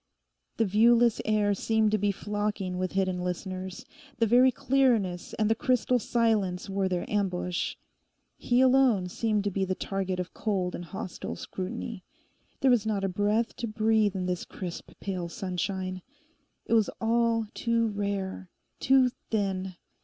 The viewless air seemed to be flocking with hidden listeners. The very clearness and the crystal silence were their ambush. He alone seemed to be the target of cold and hostile scrutiny. There was not a breath to breathe in this crisp, pale sunshine. It was all too rare, too thin.